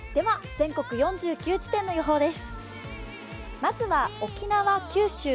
全国４９地点の予報です。